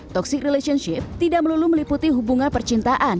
toxic relationship tidak melulu meliputi hubungan percintaan